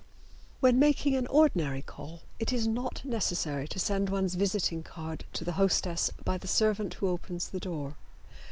When making an ordinary call it is not necessary to send one's visiting card to the hostess by the servant who opens the door.